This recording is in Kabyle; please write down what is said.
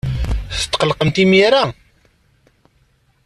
Tetqellqemt imir-a?